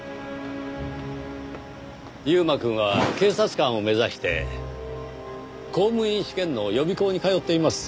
優馬くんは警察官を目指して公務員試験の予備校に通っています。